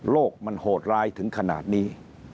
มันโหดร้ายถึงขนาดนี้